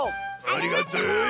ありがとう！